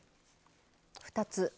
２つ。